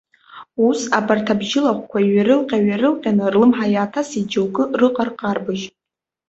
Ус, абарҭ абжьылаҟәқәа иҩарылҟьа-ҩарылҟьаны, рлымҳа иааҭасит џьоукы рыҟарҟарбыжь.